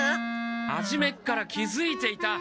はじめっから気づいていた！